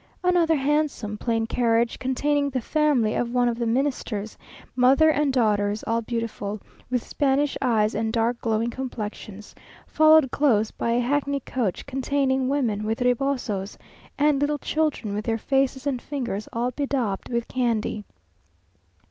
Another handsome, plain carriage, containing the family of one of the Ministers; mother and daughters all beautiful, with Spanish eyes and dark glowing complexions, followed close by a hackney coach containing women with rebosos, and little children, with their faces and fingers all bedaubed with candy....